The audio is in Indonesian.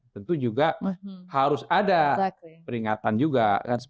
tentu juga harus ada peringatan juga